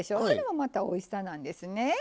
それもまたおいしさなんですね。